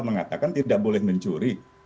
mengatakan tidak boleh mencuri